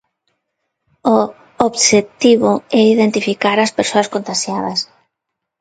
O obxectivo é identificar ás persoas contaxiadas.